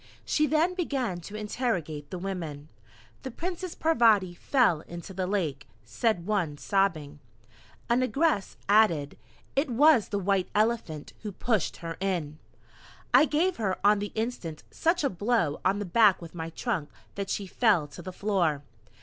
She then began to interrogate the women. "The Princess Parvati fell into the lake," said one sobbing. A negress added: "It was the White Elephant who pushed her in." I gave her on the instant such a blow on the back with my trunk that she fell to the floor.